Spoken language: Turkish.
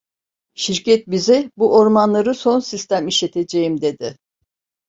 Şirket bize, bu ormanları son sistem işleteceğim, dedi.